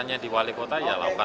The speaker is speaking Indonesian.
jadi itu dia